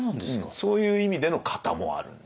そういう意味での型もあるんで。